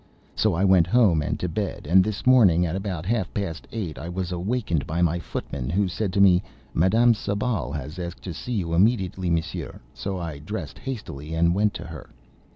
So I went home and to bed, and this morning, at about half past eight, I was awakened by my footman, who said to me: "Madame Sablé has asked to see you immediately, Monsieur," so I dressed hastily and went to her.